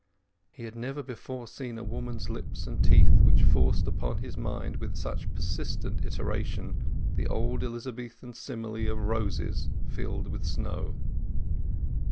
He had never before seen a woman's lips and teeth which forced upon his mind with such persistent iteration the old Elizabethan simile of roses filled with snow.